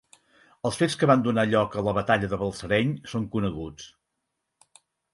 Els fets que van donar lloc a la batalla de Balsareny són coneguts.